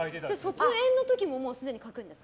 卒園の時もすでに書くんですか